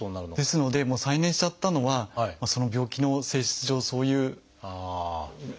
ですのでもう再燃しちゃったのはその病気の性質上そういう状況に。